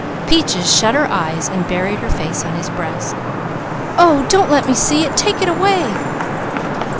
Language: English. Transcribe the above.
Peaches shut her eyes and buried her face on his breast. "Oh don't let me see it! Take it away!"